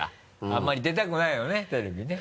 あんまり出たくないよねテレビね。